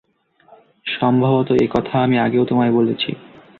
সম্ভবত একথা আমি আগেও তোমায় বলেছি।